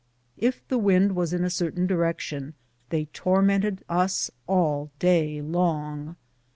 If the wind was in a certain direction, they tormented us all day long.